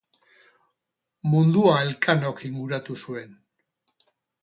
Mundua Elkanok inguratu zuen.